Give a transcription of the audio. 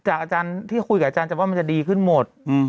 อาจารย์ที่คุยกับอาจารย์จะว่ามันจะดีขึ้นหมด